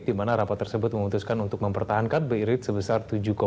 dimana rapat tersebut memutuskan untuk mempertahankan bi rate sebesar tujuh lima puluh